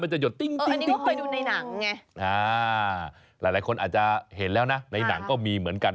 หลายคนอาจาเห็นแล้วนะในหนังก็มีเหมือนกัน